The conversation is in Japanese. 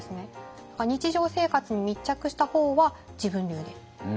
日常生活に密着した方は自分流で。